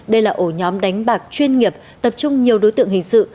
đây là ổ nhóm đánh bạc chuyên nghiệp tập trung nhiều đối tượng hình sự